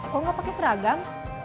kok gak pakai seragam